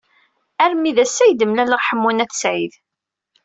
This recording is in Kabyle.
Armi d ass-a ay d-mlaleɣ Ḥemmu n At Sɛid.